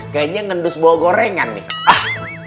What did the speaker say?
kayaknya ngendus bawa gorengan nih